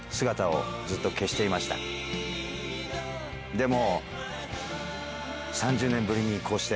でも。